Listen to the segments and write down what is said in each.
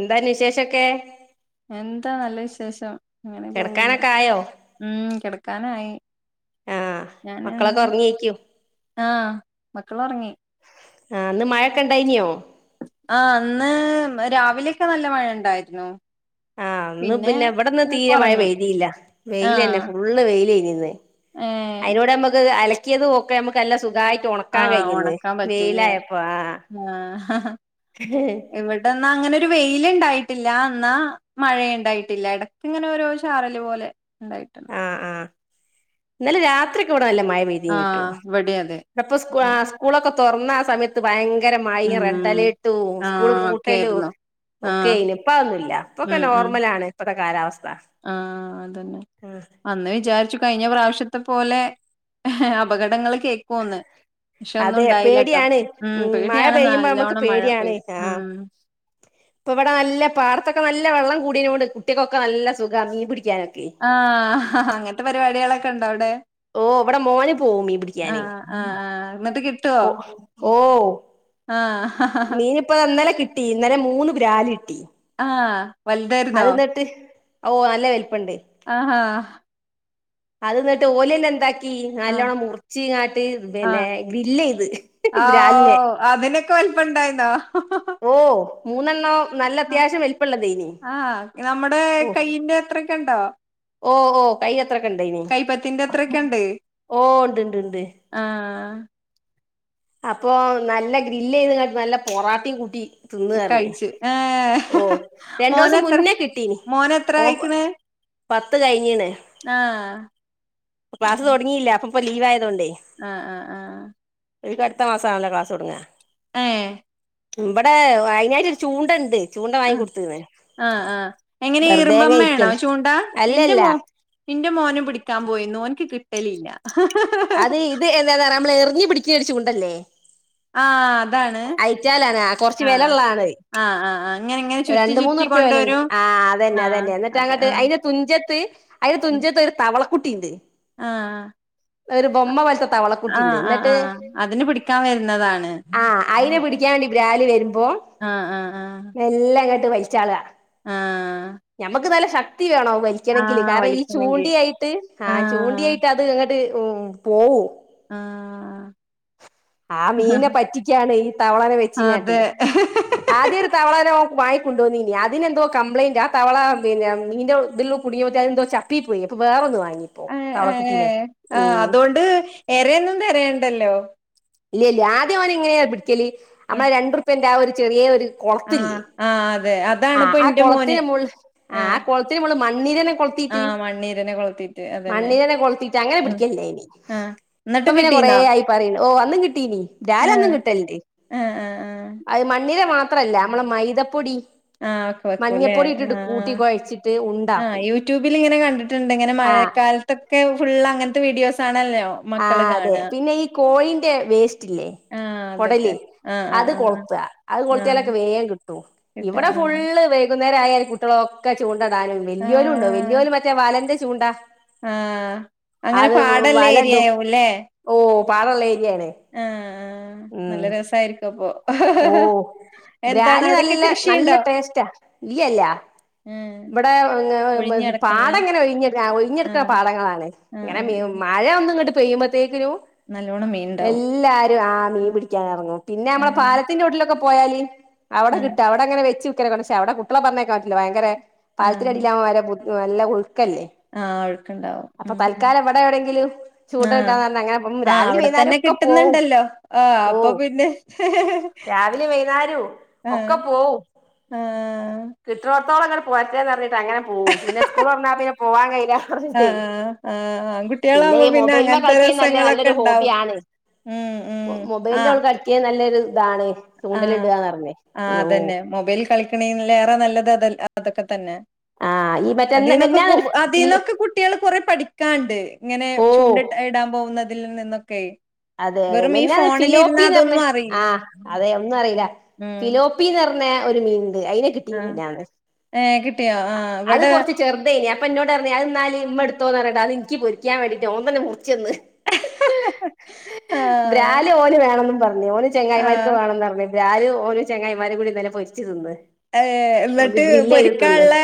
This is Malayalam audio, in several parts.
എന്താ വിശേഷൊക്കെ? എന്താ നല്ല വിശേഷം. ഇങ്ങനെ പോവുന്നു കിടക്കാനൊക്കെ ആയോ ഉം കിടക്കാനായി ആഹ് ഞാൻ മക്കളൊക്കെ ഇന്ന് ഉറങ്ങിയേക്കും ആ മക്കൾ ഉറങ്ങി. ആ ഇന്ന് മഴയൊക്കെ ഉണ്ടായിനിയോ? ആ ഇന്ന് രാവിലെയൊക്കെ നല്ല മഴ ഉണ്ടായിരുന്നു. ആ ഇന്ന് പിന്നെ എവിടന്ന് ഇത് തീരെ മഴ കൊറഞ്ഞു പെയ്തില്ല. വെയില് തന്നെ ആഹ് ഫുള്ള് വെയില് തന്നെ. അതെ ഏഹ് അതിനൂടെ നമ്മുക്ക് അല ക്കിയതു ഒക്കെ നമ്മുക്ക് നല്ലസുഖ ആ ഉണക്കാൻ പറ്റൂല്ലേ? ആഹ് ആ ഇവിടെന്ന അങ്ങനെ വെയിൽ ഉണ്ടായിട്ടില്ല എന്നാ മഴ ഉണ്ടായിട്ടില്ല. ഇടക്കിങ്ങനെ ഓരോ ചാറൽ പോലെ. ഉണ്ടായിട്ടുണ്ട് ആഹ് ആഹ് ഇന്നലെ രാത്രി നല്ല മഴപെയ്തിനിട്ടോ ആഹ് ഇവിടേം അതെ സ്കൂ ആ സ്കൂൾ തുറന്ന ആ സമയത്ത് ഭയങ്ക ങ്കരമഴയും ഉം റെഡ്അലർട്ടും സ്കൂൾ ആഹ് പൂട്ടലും ഒക്കെയായിരുന്നു ആഹ് ഒക്കെയേനു. ഇപ്പോ അതില്ല ഇപ്പം ഒക്കെനോർമലാണ്. ത്ത കാലാവസ്ഥ ആ അതന്നെ ഉം അന്ന് വിചാരിച്ചു കഴിഞ്ഞ പ്രാവശ്യത്തെ പോലെ അപകടങ്ങ കേക്കൂന്ന് പക്ഷെ ഒന്നും അതെ ഉണ്ടായില്ലട്ടോ പേടിയാണ് ഉം മഴ പേടിയാണ് പെയ്യുമ്പോ നമുക്ക് നല്ലോണം മഴ പേടിയാണ് പെയ്ത ആഹ് ഉം ഇപ്പൊ ഇവിടെ നല്ല പാടത്തൊക്കെ നല്ല വെള്ളം കൂടിയോണ്ട് കുട്ടികക്കൊക്കെ നല്ല സുഖവാ മിൻ പിടിക്കാനൊക്കെ. ആ അങ്ങനത്തെ പരിപാടികളൊക്കെ ഉണ്ടോ അവിടെ? ഓ ഇവിടെ മോന് പോവും മീൻ പിടിക്കാന്. ആഹ് ആഹ് ആഹ് എന്നിട്ട് കി ഓ ഓ ആ മീൻ ഇപ്പൊ ഇന്നലെ കി ഇന്നലെ മൂന്ന് ബ്രാല്. ആ അത് വലുതായിരുന്നോ? ന്നിട്ട് ഓ നല്ലവെ ആ ഹ ഹാ അത് ന്നിട്ട് ഓലന്നെ എന്താക്കി ആഹ് നല്ലോണ്ണം മുറച്ച് ഇങ്ങാട്ട് പിന്നെ ആഹ് ഗില്ല ചെയത് ബ്രാലിനെ ആഹ് അതിനൊക്കെ വലിപ്പം ഉണ്ടായിരുന്നോ? ഓ മൂന്നെണ്ണാം നല്ല അത്യാവശ്യം വലുപ്പമള്ള ഇനി ആഹ നമ്മുടെ കയ്യിന്റെ എത്രൊക്കെ ഉണ്ടോ ഓ ഓ കൈ ത്രൊക്കെ ഇണ്ടായിനീ കൈപ്പത്തിന്റെ അത്രൊക്കെ ഉണ്ട്? ഓ ഉണ്ട്ണ്ട്ണ്ട് ആഹ് അപ്പൊ നല്ല ഗ്രില് ചെയ്ത്ട്ട് നല്ല പൊറാട്ടിയം കൂട്ടി തിന്ന ർഞ് കഴിച്ചു ഏഹ് ഓ രണ്ടു ദിവസം മോനെത്ര മുന്നേ കിട്ടീന് മോന് എത്ര ഓ ആയിക്കണ് പത്ത് കഴിഞ്ഞീണ് ആഹ് ക്ലാസ് തുടങ്ങില്ല അപ്പൊ ഇപ്പ ലീവ ആയതൊണ്ട് ആഹ ആഹ് ആഹ ഇനി പ്പൊ അടുത്ത മാസആണല്ലോ ക്ലാസടുങ്ങ ഏ ഇവിടെ വൈനാട്ട ഒരു ചൂണ്ട ഉണ്ട് ആ ആ ആഹ എങ്ങനെ വെറുതെങ്ങ ഈറുമ്പമ്മയാണോ ഇരിക്കല്ലേ ചൂണ്ടാ എറെ അല്ലല്ല മോ എന്റെ മോനും പിടിക്കാൻ പോയിരുന്നുനിക്ക് കി ട്ടലില്ല അത് ഇത് എന്താാ നമ്മള് ക്ക് പിടിച്ച ഒരു ചൂണ്ടല്ലേ ആഹ അയച്ചാലാണ് കുറച്ച് വില ഉള്ളതാണ് ആഹ് ആഹ് ആഹ് ഇങ്ങനെ ഇങ്ങനെ ചുരുട്ടി രണ്ട മൂന്ന ചുരുട്ടി ഉറുപ്യ വിലണ്ട് കൊണ്ടുവരും ആ അതന്നെ ആഹ് അതന്നെ എന്നിട്ട് അതെ അങ്ങോട്ട് ആഹ് അതിന്റെ തുഞ്ചത്ത് അതിന്റെ തുഞ്ചത്ത് ഒരു തവള കുട്ടീണ്ട് ആഹ് ഒരു ബൊമ്മ വലത്ത ആഹ ആഹ ആഹ അതിന് പിടിക്കാൻ വരുന്നതാണ് ആ അയിനെ പിടിക്കാൻ വണ്ടി രാലി വരുമ്പ മ്പോ ആഹ് ആഹ് ആഹ് എല്ലാ വഴിച്ചാള ആഹ് ഞമ്മക്ക് നല്ല ശക്തി വേണോ വലിക്കണമെങ്കിൽ ആഹ് കാരണം ഈ വലിക്കണെങ്കി ചൂണ്ടിയായിട്ട് ആ ചൂണ്ട ആഹ് ആയിട്ട് അത്ങ്ങ ഉ പോവൂ ആഹ ആ മീനെ പറ്റിക്കയാണ് ഈ തവളന അതെ വെച്ചങ്ങാട്ട് ആദ്യ ഒരു തവളാന വ കൊണ്ടുവന്ന ഇനി അതിനെന്തോ കംപ്ലയിന്റ് ആ തവള പിെ നിന്റെ ഉള്ള കുടുങ്ങിയറ്റ അെന്തോ ചപ്പി പോയി അപ്പോ വേൊന്ന് വാങ്ങി ആ ആ ആ് അതുകൊണ്ട് ഏറെൊന്നും തരണ്ട ഉണ്ടല്ലോ ഇല്ല ഇല്ല ആദ്യ അവൻ എങ്ങനെയിച്ച നമ്മള ആഹ് രണ്ടുപ്പന്റെ ആ ഒരു ചെറിയ ഒരു ആഹ് ആഹ അതെ അത ആ ആ കുളത്തിന് മുൾ ആ ആ കുളത്തിന് മന്നി തെ കൊ് ആഹ് മണ്ണീരനെ കൊളത്തീറ്റ് അതന്നെ. മണ്ണിനെ കൊളുത്തിട്ട് അങ്ങനെ ഉം പിടിക്കല്ലേ ഇനി ആഹ് ഇപ്പൊ ന്നട്ടും പിന്നെ കൊറ കിട്ടീന്നോ? ആയി പറയ ഓ വന്നന്ന് കിട്ടീിനീ ആഹ് രാലൊന്നും കിട്ടലല്ലേ ആഹ് ആഹ് ആഹ് അത് മണ്ണില മാ മാത്രല്ല നമ്മള മൈദപ്പൊടി ആ ഒക്കെ വയ്ക്കൂല്ലേ മഞ്ഞപ്പൊടി ആ ഇട്ടിട്ട് കൂട്ടി കുഴച്ചിട്ട് ആ് ആ ഉണ്ടാക്കും യൂട്യൂബിൽിങ്ങനെ കണ്ടിട്ടുണ്ട് ഇങ്ങനെ ആഹ് മഴക്കാലത്തൊക്കെ ഫുൾ അങ്ങനത്തെ വീഡിയോസ് ആണല്ലോ ആ അതെ പിന്നെ ഈ കോഴിന്റെ വേസ്റ്റ് ഇല്ലേ ആഹ് അതൊക്കെ കൊടല് ആഹ് അത് ആഹ് ആഹ് കൊളുത്തുക അത് ആഹ് ആഹ് കൊളുത്തിയാലൊക്കെ വേഗം കിട്ടും കിട്ടും ഇവിടെ ആഹ് ഫുള്ള് വ അന്നേര കുട്ടികള ഒക്കെ ാനും വലിയോലും ഉണ്ടോ വലിയോല മറ്റ വാലൻന്റെ ചൂണ്ടാ ആഹ അങ്ങനെ പാടല്ല വലടും ഏരിയായ ല്ലെ ഓ പാലേ ആഹ നല്ല രസായിരിക്കും അപ്പൊ ഓ എന്താണ് ബ്രല്ി അവിടൊക്കെ നല്ല നല്ല കൃഷിയുണ്ടോ? ടേസ്റ്റാ ഇല്ല ഉം ഇവിടെ ഒഴിഞ്ഞ് കെടക്കുന്ന പാടം ഇങ്ങനെ ഒഴിഞ്ഞ ഒഴിഞ്ഞെടുക്കുന്ന ആഹ് പാടങ്ങളാണ് ആഹ് ഇങ്ങനെ ആഹ് മ ആഹ് മഴയ ഒന്നും കിട്ട ഫേമത്തെ നല്ലോണം മീൻണ്ടാവും ും ആീ പിടിക്കറ പിന്നെ നമ്മ ആഹ് പാലത്തിട്ടിലെ പോയാലി അവിടെ ആഹ് കിട്ട അടെ അങ്ങനെ വെച്ച് േവിടെ കുട്ടള പറഞ്ഞേക്കിില്ല ഭയങ്കര പാലത്തിൻ്റെ ആഹ് അടിലാവുമ്പോ ആരോ കുത് [unintelligible] എല്ല [unintelligible] ക്കല്ലേ ആഹ് ഒഴുക്കുണ്ടാവും അപ്പൊ ഉം ഉം തൽക്കാലം ഇവിടെ എവിടെങ്കിലും ആഹ് ചൂണ്ടടാന്ന് അങ്ങനെ ഉം ആഹ് രാവിലെ അവിടെ വൈന്നേരം തന്നെ ഒക്കെ പോവും കിട്ടുന്നുണ്ടല്ലോ ആഹ് അപ്പൊ ഓഹ് പിന്നെ രാവിലെ വൈന്നേരം ആഹ് ഒക്കെ പോവും ആഹ് കിട്ടണടത്തോളം ഇങ്ങട് പോരെട്ടെന്ന് പറഞ്ഞിട്ട് അങ്ങനെ പോവും പിന്നെ സ്കൂൾ തൊറന്നാ പിന്നെ പോവാൻ കയ്യില്ല ആഹ് ആഹ് ആഹ് ആഹ് ആകുട്ടികളാകുമ്പോ ഈ പിന്നെ മൊബൈലിമ്മേ അങ്ങനത്തെ കളിക്കുന്നത് നല്ല രസങ്ങളൊക്കെ നല്ലൊരു ഇണ്ടാവും ഹോബിയാണ് ഉം ഉം മൊബൈലിലോൾ ആഹ് കളിക്കുന്നത് നല്ലൊരു ഇതാണ് ആ ചൂണ്ടലിടുകാന്ന് പറഞ്ഞേ ആ ഓ അതെന്നെ മൊബൈൽ കളിക്കിണേൽ ഏറെ നല്ലത് അതല്ലെ അ അതൊക്കെ തന്നെ ആ ഈ മറ്റെന്ന് അതിന്നൊക്കെ മിനിഞ്ഞാന്നൊരു പിൽ അതിന്നൊക്കെ കുട്ട്യാള് കൊറേ പഠിക്കാണ്ട് ഇങ്ങനെ ഓ ചൂണ്ടട്ട ഇടാൻ പോകുന്നത് തിൽ നിന്നൊക്കെ അതെ അതെ വെറും ഈ മെഞാന്ന് ഫോണിലിരുന്നാ ഫിലോപ്പീന്ന് പറഞ്ഞെ അതൊന്നും അറിയി ആ അതെ ഒന്ന് ഉം ഫിലോപ്പിന്നർ ന്നേ ഒരു മീൻ ത് അയ്നെ കിട്ടി ആഹ് മിഞാന്ന് ഏഹ് കിട്ടിയോ ആഹ് അത് ഇവിടെ കൊർച്ച് ചെർതേനി അ പ്പ ന്നോട് പർഞ് അത്ന്നാല് മ്മട്ത്തോന്ന് പർഞ്ട്ട് അത്ൻകി പൊരിക്കാൻ വേണ്ടിട്ട്ഓന്തെന്നെ മുർച്ചെന്ന് ആഹ് ബ്രാല് ഓല് വേണെന്നും പർഞ്ഞു ഓല് ചെങ്ങായിമാര്ക്ക് ആഹ് വേണന്ന് പർഞ്ഞ് ബ്രാല് ഓലും ചങ്ങായിമാരും കൂടി ഇന്നലെ പൊരിച്ച് തിന്ന് ഏഹ് ഓല് എന്നിട്ട് ഗ്രില്ലെയ്ത് തിന്ന് പൊരിക്കാനുള്ള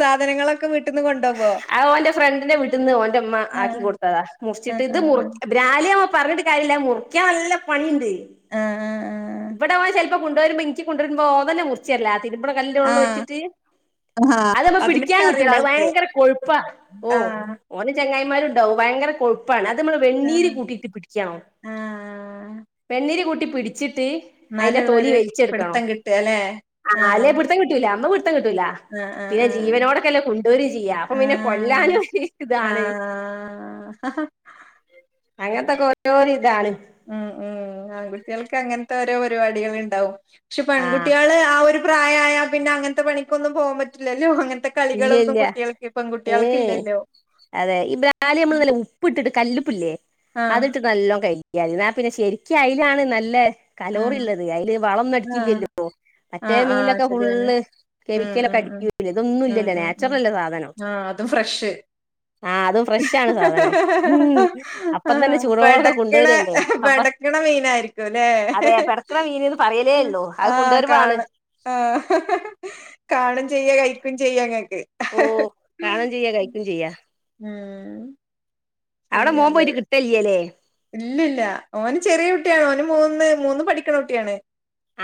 സാധനങ്ങളൊക്കെ വീട്ടിന്ന് കൊണ്ടോവോ അ ഓൻ്റെഫ്രണ്ടിന്റെ വീട്ട്ന്ന് ഓന്റെമ്മ ആഹ് ആക്കിക്കൊട്ത്തതാ മുർച്ച്ട്ട് ആഹ് ഇത് ആഹ് മു ബ്രാല് പർഞ്ട്ട് കാര്യല്ല മുറിക്കാൻ നല്ല പണിണ്ട് ആഹ് ആഹ് വടെ വാ ചെൽ കുണ്ടോരുമ്പോ ഇൻചി കുണ്ടോര്മ്പോ ഓൻ തന്നെ മുർച്ചെര്ലാ തി ര്മ്പ്ണ കല്ല്ൻ്റെ ആഹ് മോള്ൽ ആഹ് വെച്ച്ട്ട് ആഹ് ആഹ് അതേപ്പോ അതിനൊക്കെ പിടിച്ചാൻ അറിയാം കിട്ടൂല അത് ആൾക്ക് ഭയങ്കര കൊഴ് പ്പാ ഓഹ് ആഹ് ഓന് ചെങ്ങായ് മ്മലുണ്ടാവും ഭയങ്കര കൊഴുപ്പാണ് അ ഇത്‌മ്മള് വെണ്ണീര് ആഹ് കൂട്ടീട്ട് പിടി ക്കണം ആഹ് വെണ്ണീര് കൂ ട്ടി പിടിച്ചി ട്ട് അയ്ന്റെ തൊലി എന്നാലുള്ളൊരു വെലിച്ചെട്ക്കണം പിടുത്തം കിട്ടാല്ലേ ആഹ് അല്ലേ പിട്ത്തം കിട്ടൂലാ അമ്മക്ക് പിട്ത്തം കിട്ടൂലാ ആഹ് ആഹ് പിന്നെ ജീവനോടെകെല്ലെ കുണ്ടാേരെം ചെയ്യാ അപ്പൊ പിന്നെ ആഹ് കൊല്ലാനും ഇ ആഹ് താണ് ആഹ് അങ്ങെൻത്തെക്കോ ജോലി ഇതാണ് ഉം ഉം ആൺകുട്ട്യെൾക്ക് അങ്ങൻത്തെ ഓരോ പര്പാടികള്ണ്ടാവും ക്ഷെ ആ പെൺകുട്ടികള് ആ ഒരു പ്രായായ പിന്നെ അങ്ങനത്തെ പണിക്കൊന്നും പോവാൻ പറ്റില്ലല്ലോ അങ്ങനെ ഇല്ല ഇല്ല ഏ ഇല്ലല്ലോ അതെ ഈ ബ്രാലി നമ്മൾ നല്ല ഉപ്പ് ഇട്ടിട്ട് കല്ലുപ്പ് പ്പ് ല്ലേ ആഹ് അതിട്ട് നല്ല കഴ അാ പിന്നെ ശരിക്ക അതിലാണ് നല്ല ആഹ് കലോറള്ളത് അതില് വളംൊന്നും ആഹ് അടിക്കില്ലല്ലോ മറ്റേ ആഹ് ആഹ് മീനിലൊക്കെ ശരിയാണ് ഫുള്ള് കെമിക്കലൊക്കെ അടിക്കൂല്ല ഇതൊന്നുമല്ല ഉ ഉം ഉം ആഹ അതും ഫ്രഷ് ആഹ് അതും ഫ്രഷാണ് സാധനം ഉം ആ അപ്പം തന്നെ ചൂടോടൊക്കെ പടക്കണ കൊണ്ടുവരല്ലേ അപ്പൊ പെടക്കണ മീന ആയിരിക്കും അല്ലെ അതെ പെടക്കണ മീന്ന്ന് പറയലേ ഉള്ളൂ അത് ആ കാണ കൊണ്ടുവരുമ്പാണ് ആ കാണും ചെയ്യ കഴിക്കും ചെയ്യ അങ്ങക്ക് ഓ കാണം ചെയ്യാ കഴിക്കയും ചെയ്യ ഉം അവിടെ പോകുമ്പോ ഇ കിട്ടല്ലല്ലേ ഇല്ലല്ല ഓന് ചെറിയ കുട്ടിയാണ് ഓന് മൂന്ന് മൂന്ന് പഠിക്കണ കുട്ടിയാണ്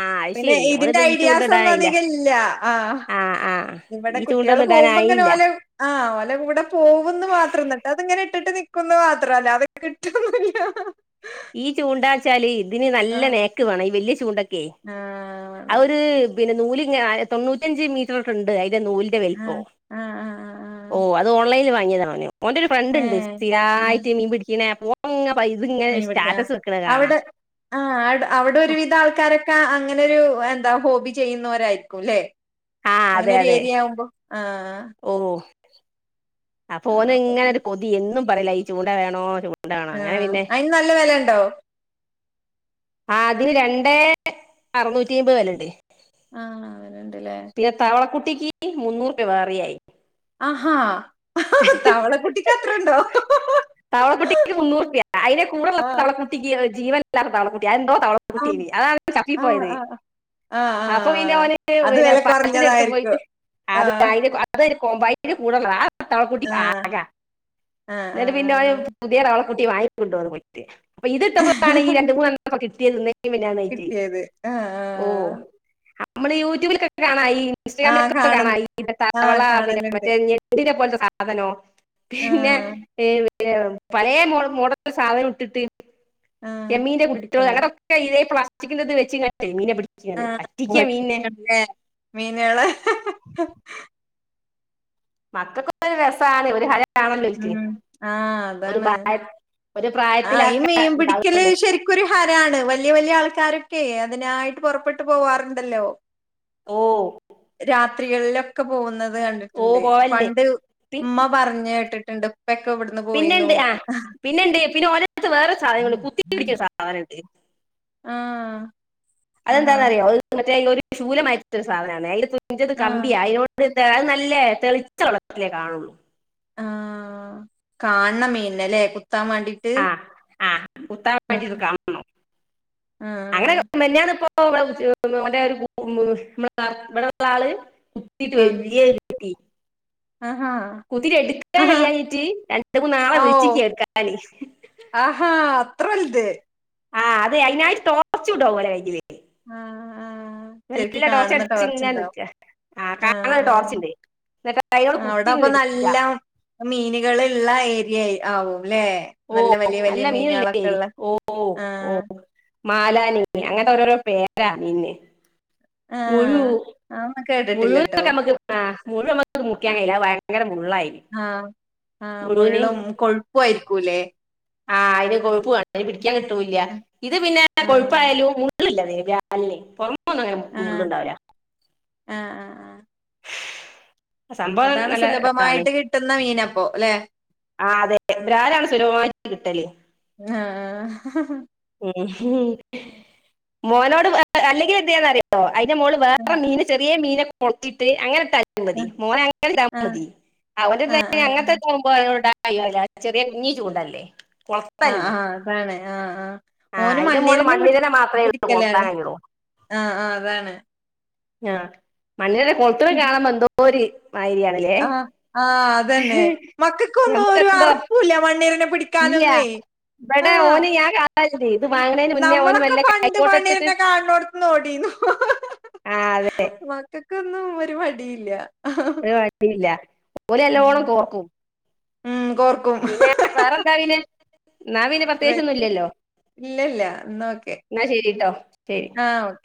ആഹ് അത് പിന്നെ ശെരി ഇതിന്റെ ഓനിത് ഈ ഐഡിയാസ് ഒന്നും ചൂണ്ടടാനായില്ല അധികം ഇല്ല ആ ആഹ് ആഹ് ഇവിടെ ഈ കുട്ടികൾ ചൂണ്ടൊന്നും പോകുമ്പോ ഇങ്ങനെ ഇടാനായില്ല ഓല ആ് ഓല കൂടെ പോകന്ന് മാത്രംന്നട്ട് അത്ങ്ങനെ ഇട്ടിട്ട് നുന്നത് മാത്രല്ല അതൊ കിട്ട ആ ഈ ചൂണ്ടാച്ചാലേ അതിന് നല്ല നേക്ക് വേണം ഈ വലിയ ചൂണ്ട ആണോ അവര് പിന്നെ നൂല്ി തൊണ്ൂറ്റ അഞ്ച് മീറ്റർൊക്കെ ഉണ്ട് നൂ വലഓ ആഹ് ആഹ് ആഹ് ആഹ് ഓ ആഹ് ദയാണ്ാനോ മോന്റെ ഒരു ഫ്രണ്ട് ഉണ്ട് ഏഹ് ആഹ് സ്ഥിരമായിട്ട് മീൻ പിടിക്ക ഉ അ ഇങ്ങനെ [inaudible] അങ്ങനെരു എന്താ ഹോബി ചെയ്യുന്നവരായിരിക്കും അല്ലെ ആ അങ്ങനെൊ അതെ ഒരു അതെ ഏരിയ ആവുമ്പോ ആഹ [inaudible] അപ്പോൊ ഓന ഇങ്ങനെ ഒരു കൊതി എന്നും പറയല ഈ ചൂണ്ട വേണോ ചൂണ്ട വേണോ അങ്ങനെ ആഹ പിന്നെ അയിന് നല്ല വില ഉണ്ടോ ആ അതിന് രണ്ടേ അറനൂറ്റി അമ്പത് വല്ലുണ്ട് ആഹ് അവന്ണ്ട്ല്ലേ കുറ്റിക്ക് മുന്നൂറ് രൂപ വേറെയായി ആഹാ തവള കുട്ടിക്ക് അത്ര ഉണ്ടോ? തവളക്കുട്ടിക്ക് മുന്നൂറുപ്യ അയിന്റെ കൂടൊള്ള ആഹ് തവളക്കുട്ടിക്ക് എ ജീവനില്ലാത്ത തവളക്കുട്ട്യാ അത് എന്തോ? ആഹ് തവളക്കുട്ടീന് അതാപ്പ ചപ്പി ആഹ് പോയത്, ആഹ് ആഹ് അപ്പൊ പിന്നെ ആഹ് ഓന് അത് പിന്നെ വെല പാമ്പിനെ എടുത്ത് കൊറഞ്ഞതായിരിക്കും പോയിട്ട് അത് ആഹ് അയിന് അതെടു കോമ്പാ [unintelligible] കൂടൊള്ളതാ? തവളക്കുട്ടി ആഹ് [unintelligible] ആഹ് എന്നിട്ട് [unintelligible] പുതിയ തവള കുട്ടിയെ വാങ്ങിക്കൊണ്ടോന്ന് പോയിട്ട്. അപ്പൊ ഇത് ആഹ് ഇട്ടപ്പഴതാണെങ്കി രണ്ടുമൂന്നെണ്ണം അപ്പ കിട്ടിയതെ [unintelligible] കിട്ടിയത് ആ ആ. നമ്മളീ യൂട്യൂബിലൊക്കെ കാണായീ ഇൻസ്റ്റഗ്രാമിലൊക്കെപ്പ കാണ കാണാം ഈ ആഹ് തവള പിന്നെ കാണലുണ്ട് മറ്റേ ഞെട്ടിനെ പോലത്തെ സ് സാധനോ? പിന്നെ ആഹ് ഏത് എ പലേ മോ മോഡൽ സാധനവിട്ടിട്ട് ആഹ് ചെമ്മീന്റെ കുട്ടികള് പിടിക്കുന്ന അങ്ങടൊക്കെ ഇതെ പ്ലാ സ്റ്റിക്കിൻ്റെത് വെച്ചു കാണ്ട് മീനെ പിടി ആ [unintelligible] മീനുകള് മക്കക്കൊക്കരു രസാണ് ഒരു ഹരം. ഉം ആ അതാണ്. പ്രായ ഒരു ആ ഈ പ്രായത്തിലൊക്കെ മീൻ പിടിക്കല് ഉണ്ടാവുമല്ലോ ശരിക്കും ഒരു ഹരാണ് വല്ല്യ വല്ല്യ ആൾക്കാരും ഒക്കേ അതിനായിട്ട് പൊറപ്പെട്ട് പോവാറുണ്ടല്ലോ. ഓ ത്രികളിലൊക്കെ പോകുന്നത് ന്നത് ഓ കണ്ടിട്ടുണ്ട് പോവല്ണ്ട് പണ്ട് പി ഉമ്മ പറഞ്ഞു കേട്ടിട്ടുണ്ട് ഉപ്പെക്കെ ഇവിടന്ന് പോയിന്നു. പിന്നെണ്ട് ആ പിന്നെണ്ട് പിന്നെ ഓലെടുത്ത് വേറൊരു സാധനങ്ങള് കുത്തി പിടിക്കണ സാധനം. അതേ ആഹ് ആഹ് അതെന്താന്നറിയോ അതൊരു മറ്റേ ഒരു ശൂലമായിട്ടൊരു സാധനാണെ അതില് തു ഇന്റത് ആഹ് കമ്പിയാ അയിലോട്ട് അത് നല്ലേ തെളിച്ച വെള്ളത്തിലേ കാണുള്ളൂ ആ കാണണ മീനല്ലേ ആഹ് ആ ഉത്താമാണ്ടിട്ട്ത് കാണോ ആ അങ്ങനെ മെനിഞ്ഞാന് പ്പോ ഇവിടെടെ ഒരു ഇവിടുള്ള ആള് കുട്ടീട്ട് ആ വലൃയ കിട്ടി ആഹാ കുതിട്ട് എടുക്കാൻ ആഹാ കഴിയാഞ്ഞിട്ട് രണ്ട് മൂന്നാളെ ഓ വിളിച്ചിക്ക് എടുക്കാന് ആഹാ അത്ര വലുത് ആ അതെ അയിനായിട്ട് ടോച്ചൂട്ട് പോലെ അവര് ആ ആ ശരിക്ക് നല്ല ടോർച്ച് കാണുന്ന അടിച്ച് ഇങ്ങനെ ടോർച്ചുണ്ടാവും നിക്ക ആ കാണ ടോർച്ചിണ്ട് കൈകോട് ആ, അവിടെ അപ്പൊ കുത്തിങ്ങട്ട് എടുക്കാ നല്ല മീനുകളുള്ള ഏരിയ ആവോ ഓ അല്ല മീനുള്ള ഏരിയ ഉള്ള ഓഓ ആ ഓ മാലാനി അങ്ങനത്തെ ഓരോ പേര് ആന്നെ ആ മുഴു അതൊന്നും കേട്ടിട്ടില്ലട്ടോ മുഴുവൊക്കെമുക്ക് മുഴു മുറിക്കാൻ ആ കഴയില്ല ഭയങ്കര മുള്ളായിന് ആ മുഴുന് ഒക്കൂലേ ആഹ് അതിന് കൊഴുപ്പ് വേണം അതിനെ പിടിക്കാൻ കിട്ടൂല്ല ആ ഇത് പിന്നെ ആ കൊഴപ്പായാലും റ [unintelligible] ങ്ങനെ ആ മുള്ളുണ്ടാവില്ല ആ ആ ആ സംഭവം അതാണ് നല്ല ഇതാണ് സുലഭമായിട്ട് കിട്ടുന്ന മീനപ്പോ അല്ലെ ആ അതെ ബ്രാലാണ് സുലഭമായിട്ട് കിട്ടല് ഹാ ഉം മോനോട് അല്ലെങ്കിൽ എന്തേണന്ന് അറിയോ അതിന് മോള് ആ വേറെ മീൻ ചെറിയ മീന് കൊട്ടിട്ട് അങ്ങനെ തല്ല് ആ അതി മോനെ ആ. അങ്ങനെതി അവൻ ആഹ് ആഹ് അങ്ങനത്തെകുമ്പോ ഇടാ അല്ലല്ല ചെറിയ കുഞ്ഞീ ചൂണ്ടല്ലേ ആഹ് കൊളത്തല്ലേ ആഹ് അതാണ് ആഹ് ആ ആ ഓന് അതിന്റെ മുകളിൽ മണ്ണിരന്നും മണ്ണിരനെ മാത്രമേ ഉള്ളൂ കൊളുത്താൻ പിടിക്കലാണ് കഴിയുള്ളൂ ആ ആ അതാണ് ആ മണ്ണിര കൊളത്തിൽ കാണുമ്പോ കോരി ആ ആ അതന്നെ മക്കൾക്കൊന്നും നമുക്ക് ഒരു എന്തോ അറപ്പൂല്ല മണ്ണിരനെ ഇല്ല പിടിക്കാനൊന്നേ ഇവിടെ ആഹ് ഓന് [unintelligible] വാങ്ങണതിന് മുന്നേ ഓന് നമ്മളൊക്കെ വല്ല പണ്ട് കൈക്കോട്ട് എടുത്തിട്ട് പണിന്നെ കാണോടുത്ത്ഓടയിന്ന് ആ അതെ മക്കള്ക്ക് ഒന്നും. ഒരു മടിയില്ലാ. ഒരു മടില്ല ഓല് ഉം നല്ലോണം കോർ ക്കും. ഉം കോർക്കും പിന്നെ വേറെ എന്താറിണേ ന്നാ പിന്നെ വേ- പ്രതേകിച്ചു ഒന്നും ഇല്ലല്ലോ ഇല്ല ന്നാ ശരിട്ടോ. ശരി ആഹ്‌ ഓക്കേ.